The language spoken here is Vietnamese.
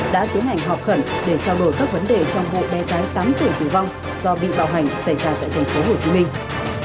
đã tiến hành họp khẩn để trao đổi các vấn đề trong vụ bé gái tám tuổi tử vong do bị bạo hành xảy ra tại thành phố hồ chí minh